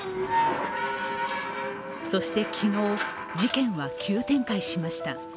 そして昨日、事件は急展開しました。